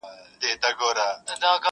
د خدای کار وو هلکان دواړه لویان سوه.